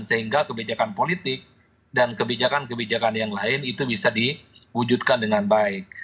sehingga kebijakan politik dan kebijakan kebijakan yang lain itu bisa diwujudkan dengan baik